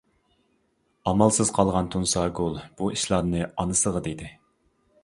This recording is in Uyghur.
ئامالسىز قالغان تۇنساگۈل بۇ ئىشلارنى ئانىسىغا دېدى.